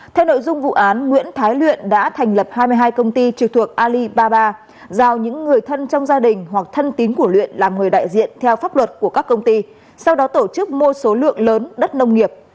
theo nội dung vụ án nguyễn thái luyện đã thành lập hai mươi hai công ty trực thuộc alibaba giao những người thân trong gia đình hoặc thân tín của luyện làm người đại diện theo pháp luật của các công ty sau đó tổ chức mua số lượng lớn đất nông nghiệp